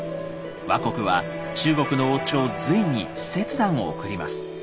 倭国は中国の王朝隋に使節団を送ります。